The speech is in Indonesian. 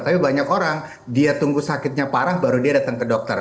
tapi banyak orang dia tunggu sakitnya parah baru dia datang ke dokter